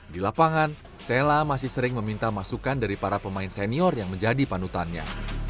di lapangan sella masih sering meminta masukan dari para pemain senior yang menjadi panutannya